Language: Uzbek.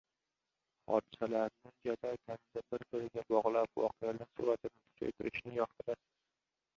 Hodisalarni jadal tarzda bir-biriga bog‘lab, voqealar sur’atini kuchaytirishni yoqtirasiz.